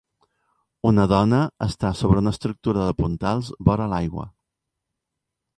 Una dona està sobre una estructura de puntals vora l'aigua.